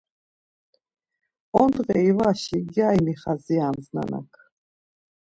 Ondğe ivaşi gyari mixadzirams nanak.